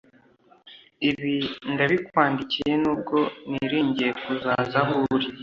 ibi ndabikwandikiye nubwo niringiye kuzaza aho uri.